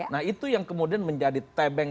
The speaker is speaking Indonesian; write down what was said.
nah itu yang kemudian menjadi tebeng